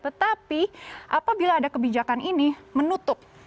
tetapi apabila ada kebijakan ini menutup